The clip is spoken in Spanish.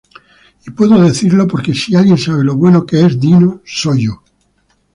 Y puedo decirlo porque si alguien sabe lo bueno que es Dino, soy yo.